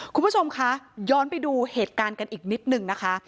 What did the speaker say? คุณผู้ชมคะย้อนไปดูเหตุการณ์กันอีกนิดหนึ่งนะคะ